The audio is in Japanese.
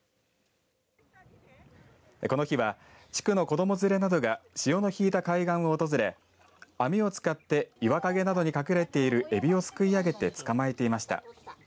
この日は地区の子供連れなどが潮の引いた海岸を訪れ網を使って岩陰などに隠れているエビをすくい上げて捕まえていました。